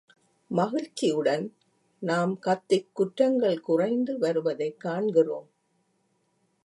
மகிழ்ச்சியுடன், நாம் கத்திக் குற்றங்கள் குறைந்து வருவதைக் காண்கிறோம்.